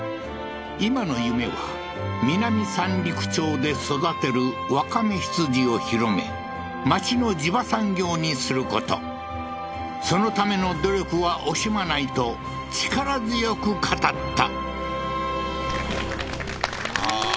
今の夢は南三陸町で育てるわかめ羊を広め町の地場産業にすることそのための努力は惜しまないと力強く語ったああー